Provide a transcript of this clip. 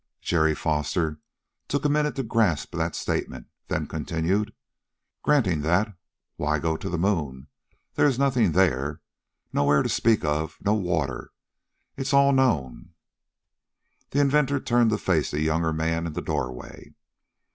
Jerry Foster took a minute to grasp that statement, then continued: "Granting that, why go to the moon? There is nothing there, no air to speak of, no water! It's all known." The inventor turned to face the younger man in the doorway.